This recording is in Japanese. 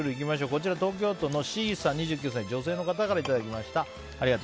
こちら東京都の２９歳女性の方からいただきました。